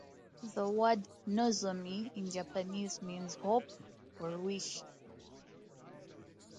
The word "nozomi" in Japanese means "hope" or "wish".